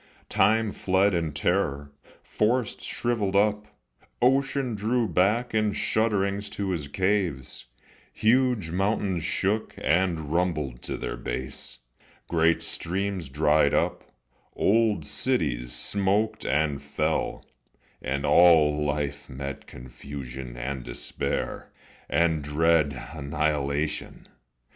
Time fled in terror, forests shrivelled up, Ocean drew back in shudderings to his caves, Huge mountains shook and rumbled to their base, Great streams dried up, old cities smoked and fell, And all life met confusion and despair, And dread annihilation.